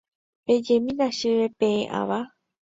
pejemína chéve peẽ ava